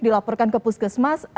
dilaporkan ke puskesmas